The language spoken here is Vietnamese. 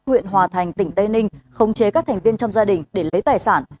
huyện hòa thành tỉnh tây ninh khống chế các thành viên trong gia đình để lấy tài sản